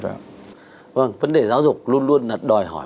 vâng vấn đề giáo dục luôn luôn đòi hỏi